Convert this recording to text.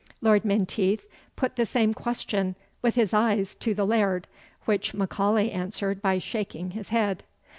Lord Menteith put the same question with his eyes to the Laird, which M'Aulay answered by shaking his head.